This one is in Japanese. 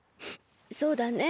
そうだね。